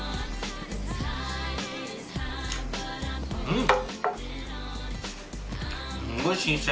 うん！